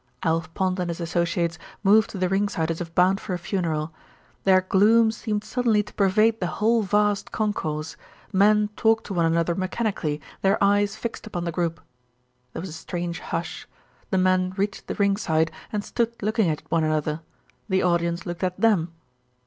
Alf Pond and his associates moved to the ringside as if bound for a funeral. Their gloom seemed suddenly to pervade the whole vast concourse. Men talked to one another mechanically, their eyes fixed upon the group. There was a strange hush. The men reached the ringside and stood looking at one another. The audience looked at them.